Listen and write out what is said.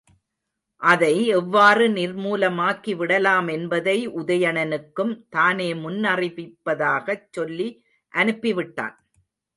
அதை எவ்வாறு நிர்மூலமாக்கி விடலாம் என்பதை உதயணனுக்கும் தானே முன்னறிவிப்பதாகச் சொல்லி அனுப்பிவிட்டான்.